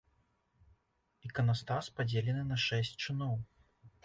Іканастас падзелены на шэсць чыноў.